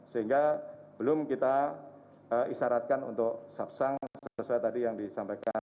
sehingga belum kita isaratkan untuk sub miss sesuai tadi yang disampaikan bapak ibu